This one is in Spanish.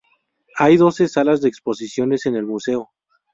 Hay doce salas de exposiciones en el museo.